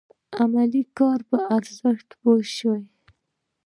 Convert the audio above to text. علمي کار په ارزښت پوه شوي وي.